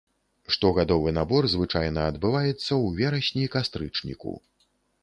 Штогадовы набор звычайна адбываецца у верасні-кастрычніку.